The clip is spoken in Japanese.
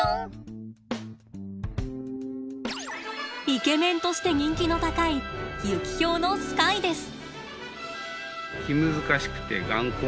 イケメンとして人気の高いユキヒョウのスカイです。